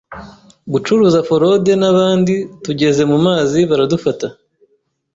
gucuruza forode n’abandi tugeze mu mazi baradufata